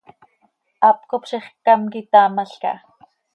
Hap cop ziix ccam quitaamalca ha.